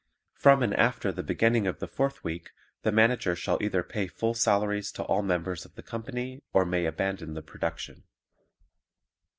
From and after the beginning of the fourth week the Manager shall either pay full salaries to all members of the company or may abandon the production.